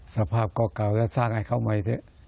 สภาพก็เก่าและสร้างให้เขาใหม่ด้วย